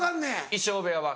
衣装部屋は？